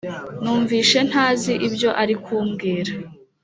Numvishe ntazi ibyo ari kumbwira